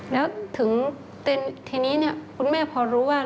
แล้วถึงทีนี้คุณแม่พอรู้ว่า